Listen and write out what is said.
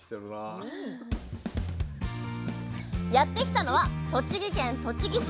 やって来たのは栃木県栃木市。